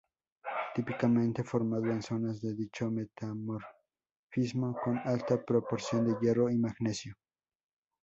Típicamente formado en zonas de dicho metamorfismo con alta proporción de hierro y magnesio.